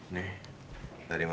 nih dari mama